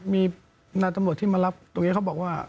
มีนายตำรวจที่มารับตรงนี้เขาบอกว่า